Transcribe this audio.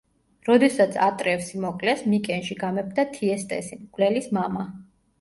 როდესაც ატრევსი მოკლეს, მიკენში გამეფდა თიესტესი, მკვლელის მამა.